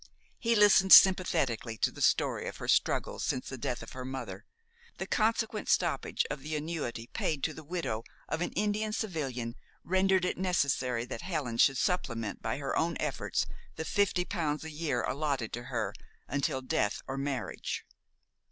He listened sympathetically to the story of her struggles since the death of her mother. The consequent stoppage of the annuity paid to the widow of an Indian civilian rendered it necessary that Helen should supplement by her own efforts the fifty pounds a year allotted to her "until death or marriage."